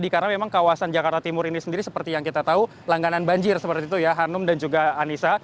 karena memang kawasan jakarta timur ini sendiri seperti yang kita tahu langganan banjir seperti itu ya hanum dan juga anissa